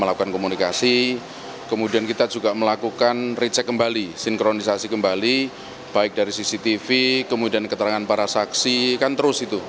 melakukan komunikasi kemudian kita juga melakukan recheck kembali sinkronisasi kembali baik dari cctv kemudian keterangan para saksi kan terus itu